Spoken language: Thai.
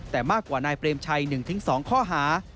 แต่มากกว่านายเปรมชัย๑๒ข้อหา